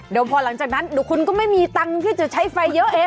เดี๋ยวพอหลังจากนั้นเดี๋ยวคุณก็ไม่มีตังค์ที่จะใช้ไฟเยอะเอง